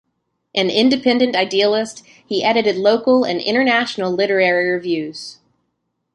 An independent idealist, he edited local and international literary reviews.